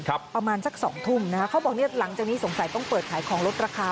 ประมาณสักสองทุ่มนะคะเขาบอกเนี้ยหลังจากนี้สงสัยต้องเปิดขายของลดราคา